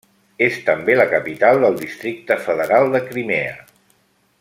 És també la capital del Districte Federal de Crimea.